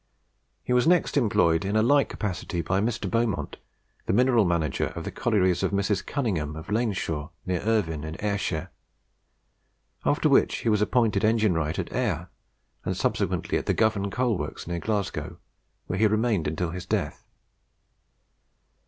He was next employed in a like capacity by Mr. Beaumont, the mineral manager of the collieries of Mrs. Cunningham of Lainshaw, near Irvine in Ayrshire; after which he was appointed engine wright at Ayr, and subsequently at the Govan Coal Works near Glasgow, where he remained until his death.